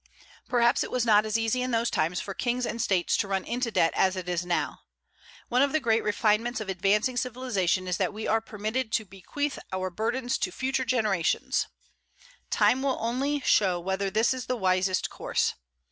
Perhaps it was not as easy in those times for kings and states to run into debt as it is now. One of the great refinements of advancing civilization is that we are permitted to bequeath our burdens to future generations. Time only will show whether this is the wisest course.